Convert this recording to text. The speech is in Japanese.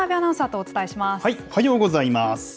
おはようございます。